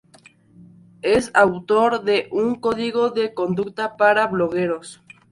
Es autor de un Código de conducta para blogueros.